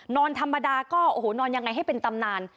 นอนธรรมดาก็โอ้โหนอนยังไงให้เป็นตำนาน